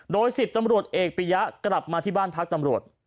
โดย๑๐ตำรวจเอกปียะกลับมาที่บ้านพักตำรวจ